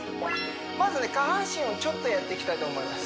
まずね下半身をちょっとやっていきたいと思います